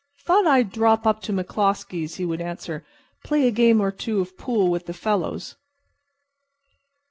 "Thought I'd drop up to McCloskey's," he would answer, "and play a game or two of pool with the fellows."